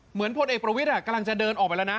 พลเอกประวิทย์กำลังจะเดินออกไปแล้วนะ